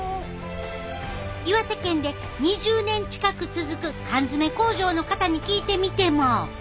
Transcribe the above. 岩手県で２０年近く続く缶詰工場の方に聞いてみても。